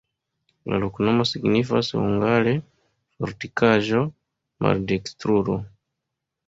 La loknomo signifas hungare: fortikaĵo-maldekstrulo.